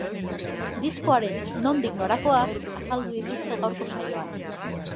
Diskoaren nondik norakoak azaldu dituzte gaurko saioan.